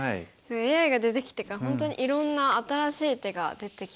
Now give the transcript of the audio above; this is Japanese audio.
ＡＩが出てきてから本当にいろんな新しい手が出てきましたよね。